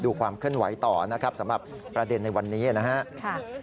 ความเคลื่อนไหวต่อนะครับสำหรับประเด็นในวันนี้นะครับ